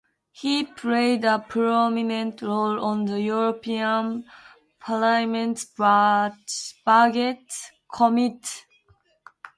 He played a prominent role on the European Parliament's budget committee.